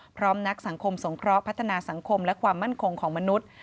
นักสังคมสงเคราะห์พัฒนาสังคมและความมั่นคงของมนุษย์